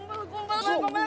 ah kumpul kumpul